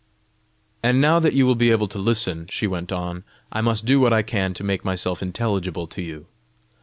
"And now that you will be able to listen," she went on, "I must do what I can to make myself intelligible to you.